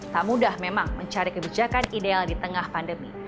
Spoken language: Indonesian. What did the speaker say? tak mudah memang mencari kebijakan ideal di tengah pandemi